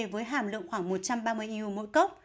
với hàm lượng khoảng một trăm ba mươi eu mỗi cốc